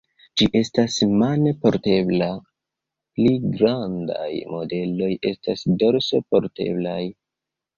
Ĝi estas mane portebla, pli grandaj modeloj estas dorse porteblaj.